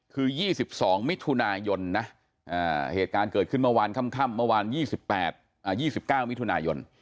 คือ๒๒มิถุนายนนะเหตุการณ์เกิดขึ้นเมื่อวานค่ำเมื่อวาน๒๙มิถุนายน